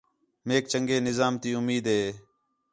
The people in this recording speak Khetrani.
میک چَنڳے نظام تی اُمید ہے